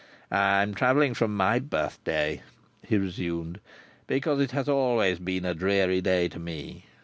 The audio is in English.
"I am travelling from my birthday," he resumed, "because it has always been a dreary day to me.